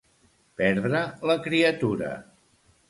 Perdre la criatura.